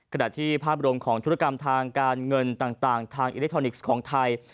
ขณะที่ภาพรวมของธุรกรรมทางการเงินต่างทางอิเล็กทรอนิกส์ของไทย